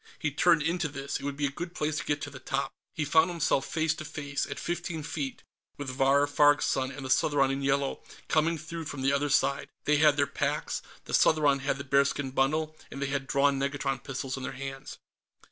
He turned into this; it would be a good place to get to the top.... He found himself face to face, at fifteen feet, with Vahr Farg's son and the Southron in yellow, coming through from the other side. They had their packs, the Southron had the bearskin bundle, and they had drawn negatron pistols in their hands.